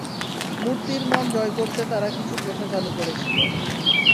মূর্তির মন জয় করতে তারা কিছু প্রথা চালু করেছিল।